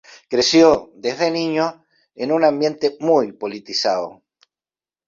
Creció, desde niño, en un ambiente muy politizado.